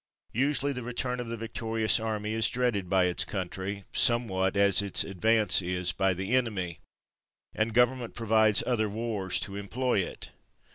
Usually the return of the victorious army is dreaded by its country somewhat as its advance is by the enemy, and government provides other wars to employ it.